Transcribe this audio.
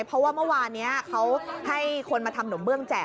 เพราะว่าเมื่อวานนี้เขาให้คนมาทำหนมเบื้องแจก